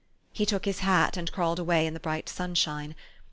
He took his hat, and crawled away in the bright sunshine.